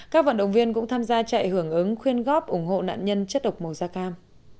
các vận động viên cũng tham gia chạy hưởng ứng khuyên góp ủng hộ nạn nhân chất độc màu da cam